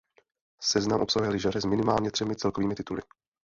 Seznam obsahuje lyžaře s minimálně třemi celkovými tituly.